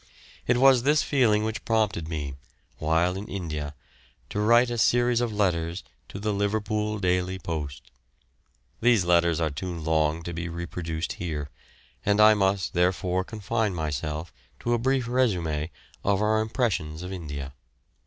It was this feeling which prompted me, while in India, to write a series of letters to the Liverpool Daily Post. These letters are too long to be reproduced here, and I must, therefore, confine myself to a brief résumé of our impressions of India.